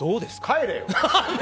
帰れよ！